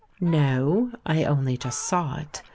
"No, I only just saw it.